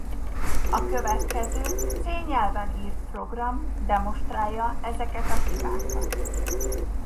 A következő C nyelven írt program demonstrálja ezeket a hibákat.